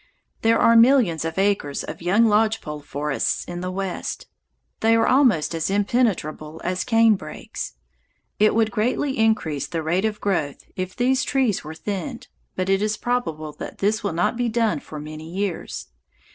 There are millions of acres of young lodge pole forests in the West. They are almost as impenetrable as canebrakes. It would greatly increase the rate of growth if these trees were thinned, but it is probable that this will not be done for many years.